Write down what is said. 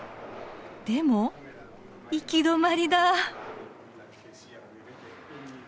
でも行き止まりだ。